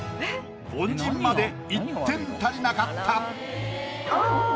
凡人まで１点足りなかった。